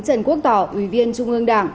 trần quốc tỏ ủy viên trung ương đảng